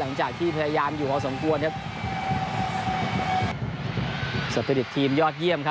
หลังจากที่พยายามอยู่พอสมควรครับสเครดิตทีมยอดเยี่ยมครับ